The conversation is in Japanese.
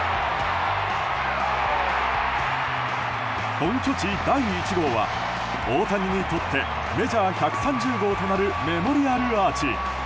本拠地第１号は、大谷にとってメジャー１３０号となるメモリアルアーチ。